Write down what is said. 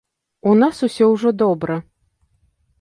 У нас усё ўжо добра.